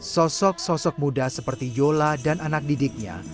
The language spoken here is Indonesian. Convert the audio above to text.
sosok sosok muda seperti yola dan anak didiknya